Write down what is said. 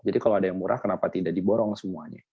jadi kalau ada yang murah kenapa tidak diborong semuanya